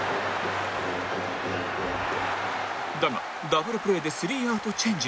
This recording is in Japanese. だがダブルプレーでスリーアウトチェンジに